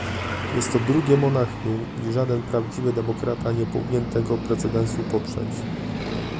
jest to drugie Monachium i żaden prawdziwy demokrata nie powinien tego precedensu poprzeć